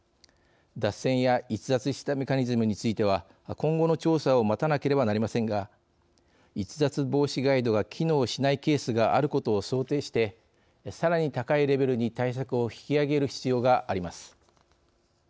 脱線や逸脱したメカニズムについては今後の調査を待たなければなりませんが逸脱防止ガイドが機能しないケースがあることを想定してさらに、高いレベルに対策を引き上げる必要があります。